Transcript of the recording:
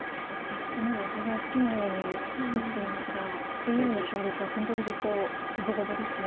ここまでお互い好きなように打っていますがＡＩの勝率は本当にずっと五分五分ですね。